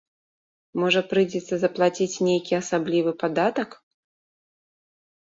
Можа, прыйдзецца заплаціць нейкі асаблівы падатак?